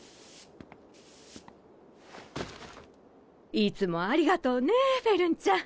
いつもありがとうねフェルンちゃん。